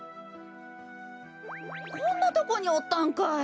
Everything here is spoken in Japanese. こんなとこにおったんかい！